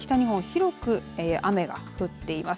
広く雨が降っています。